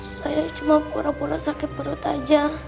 saya cuma pura pura sakit perut aja